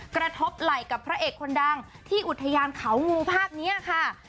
กระทบไหล่กับพระเอกคนดังที่อุทยานเขางูภาพนี้ค่ะ